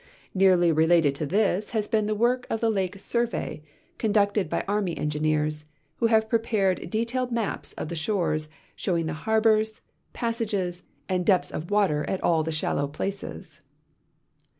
Nearly related to this has been the work of the Lake Survey, conducted by army engineers, who have ju'epared detailed maps of the shores, showing the harbors, passages, and depths of water at all the shallow places.